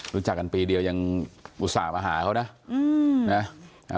รู้จักกันปีเดียวยังอุตส่าห์มาหาเขานะ